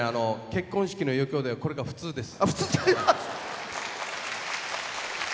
結婚式の余興でこれが普通です。